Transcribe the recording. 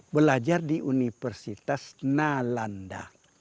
belajar di universitas nalanda